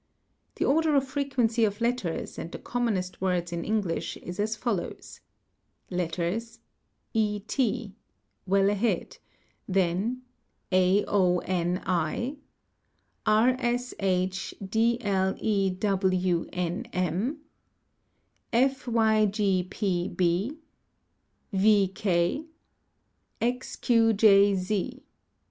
__The order of frequency of letters and the commonest words in English is as follows :— Letters :—e ¢, (well ahead); then, aoni; rshdilcwnm; fygp)h; Ch 2 ET Z.